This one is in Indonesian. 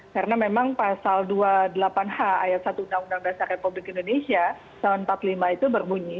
karena memang pasal dua puluh delapan h ayat satu undang undang dasar republik indonesia tahun seribu sembilan ratus empat puluh lima itu berbunyi